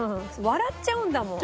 笑っちゃうんだもん。